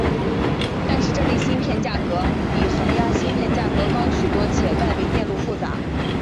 但是这类芯片价格比恒压芯片价格高许多且外围电路复杂。